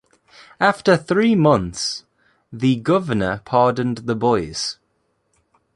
After three months, the governor pardoned the boys.